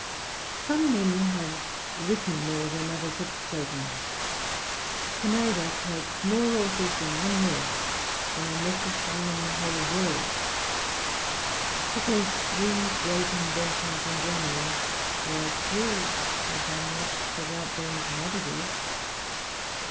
Some men have written more than others have spoken: Pineda quotes more authors in one work than are necessary in a whole world. Of those three great inventions in Germany, there are two which are not without their incommodities.